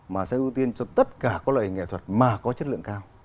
mà sẽ ưu tiên cho tất cả các loại nghệ thuật mà có chất lượng cao